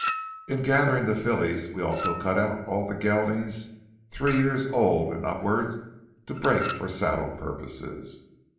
In gathering the fillies, we also cut out all the geldings three years old and upward to break for saddle purposes.